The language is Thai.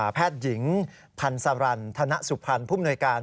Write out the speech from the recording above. แพทยิงพรรณสรรรนด์ธนสุพรรณภุมนายการ